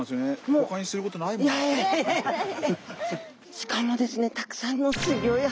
しかもですね